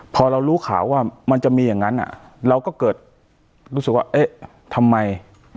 พอเรารู้ข่าวว่ามันจะมีอย่างนั้นเราก็เกิดรู้สึกว่าเอ๊ะทำไม